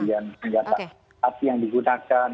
dan senjata api yang digunakan